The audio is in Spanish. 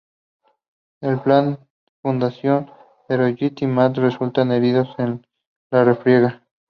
El plan funciona, pero Jed y Matt resultan heridos en la refriega.